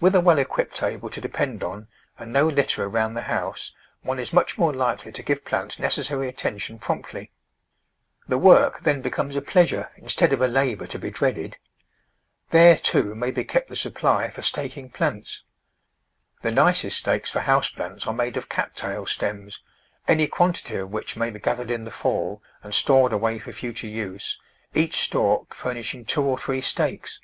With a well equipped table to depend on and no litter around the house, one is much more likely to give plants necessary attention promptly. The work then becomes a pleasure instead of a labour to be dreaded. There, too, may be kept the supply for staking plants. The nicest stakes for house plants are made of Cat tail stems, any quantity of which may be gathered in the fall and stored away for future use, each stalk furnishing two or three stakes.